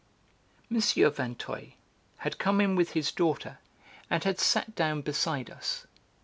M. Vinteuil had come in with his daughter and had sat down beside us.